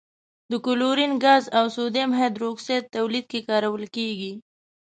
د کلورین غاز او سوډیم هایدرو اکسایډ تولید کې کارول کیږي.